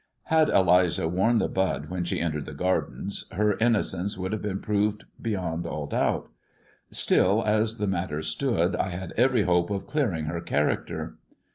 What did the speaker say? Had Eliza worn the bud when she entered the Gardens, her innocence would have been proved beyond all doubt. Still as the matter stood I had every hope of clearing her character.